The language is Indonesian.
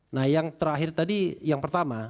nah yang terakhir tadi yang pertama